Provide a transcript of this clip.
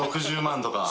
６０万とか。